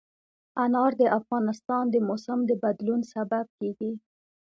انار د افغانستان د موسم د بدلون سبب کېږي.